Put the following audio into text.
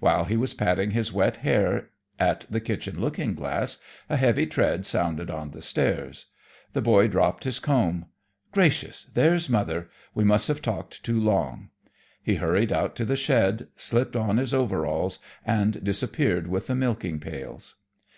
While he was patting his wet hair at the kitchen looking glass, a heavy tread sounded on the stairs. The boy dropped his comb. "Gracious, there's Mother. We must have talked too long." He hurried out to the shed, slipped on his overalls, and disappeared with the milking pails.